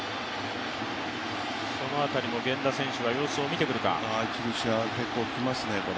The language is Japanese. その辺りも、源田選手が様子を見てくるか。